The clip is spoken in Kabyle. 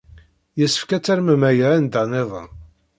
Yessefk ad tarmem aya anda niḍen.